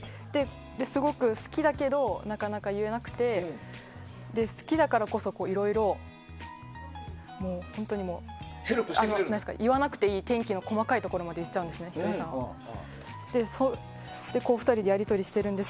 すごく好きだけどなかなか言えなくて好きだからこそいろいろ、言わなくていい天気の細かいところまでひとりさんは言っちゃうんです。